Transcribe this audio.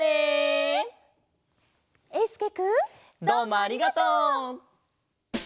どうもありがとう！